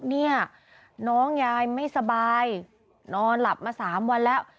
เนี่ยน้องยายไม่สบายนอนหลับมา๓วันแล้ว